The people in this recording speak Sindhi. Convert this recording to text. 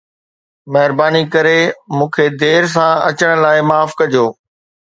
مھرباني ڪري مون کي دير سان اچڻ لاءِ معاف ڪجو